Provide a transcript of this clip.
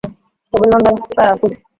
অভিনন্দন, পারাসু।